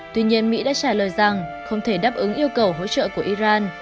tuy nhiên mỹ đã trả lời rằng không thể đáp ứng yêu cầu hỗ trợ của iran